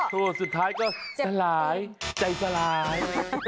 สุดท้ายก็สลายใจสลาย